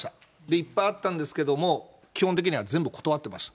いっぱいあったんですけど、基本的には全部断ってました。